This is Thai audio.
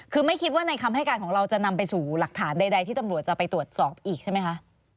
คือไม่คิดว่าในคำให้การของเราจะนำไปสู่หลักฐานใดที่ตำรวจจะไปตรวจสอบอีกใช่ไหมคะ